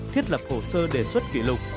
thiết lập hồ sơ đề xuất kỷ lục